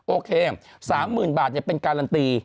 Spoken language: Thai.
โอเค๓๐๐๐บาทเป็นการันตี